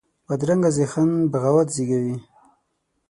بدرنګه ذهن بغاوت زېږوي